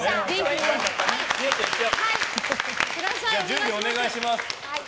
準備お願いします。